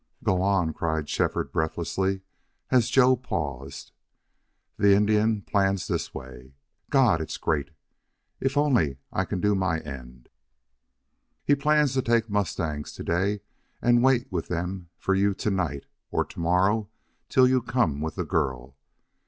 "Go on," cried Shefford breathlessly, as Joe paused. "The Indian plans this way. God, it's great!... If only I can do my end!... He plans to take mustangs to day and wait with them for you to night or to morrow till you come with the girl.